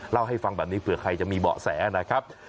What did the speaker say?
เล่าให้ฟังแบบนี้เผื่อใครจะมีเบาะแสนะครับ